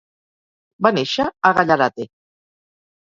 Va néixer a Gallarate.